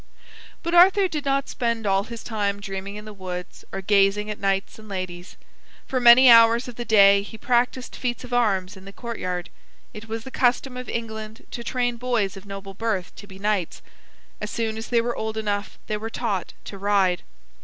But Arthur did not spend all his time dreaming in the woods or gazing at knights and ladies. For many hours of the day he practiced feats of arms in the courtyard. It was the custom in England to train boys of noble birth to be knights. As soon as they were old enough they were taught to ride.